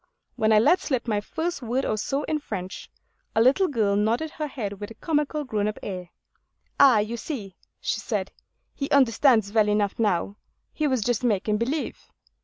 When I let slip my first word or so in French, a little girl nodded her head with a comical grown up air. 'Ah, you see,' she said, 'he understands well enough now; he was just making believe.